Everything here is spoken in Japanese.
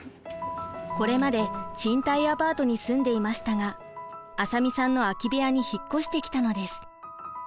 これまで賃貸アパートに住んでいましたが浅見さんの空き部屋に引っ越してきたのです。